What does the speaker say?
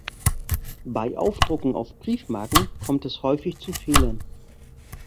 Bei Aufdrucken auf Briefmarken kommt es häufig zu Fehlern.